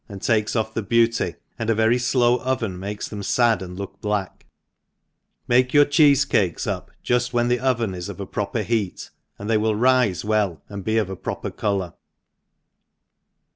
and takes off the beauty, and, a very flow oven makes them fad and look black , make your cheefe cakes up juft when the oven is of a pro* per heat, and they will rif^ well and be of ) proper colour.